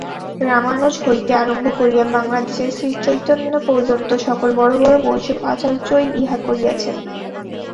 রামানুজ হইতে আরম্ভ করিয়া বাঙলাদেশে শ্রীচৈতন্য পর্যন্ত সকল বড় বড় বৈষ্ণব আচার্যই ইহা করিয়াছেন।